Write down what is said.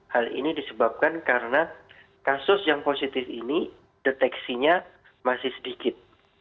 hal ini disebabkan karena kasus yang positif ini deteksinya masih sedikit